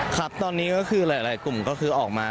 ครับตอนนี้ก็คือหลายกลุ่มก็คือออกมา